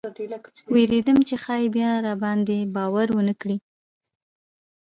ویرېدم چې ښایي بیا راباندې باور ونه کړي.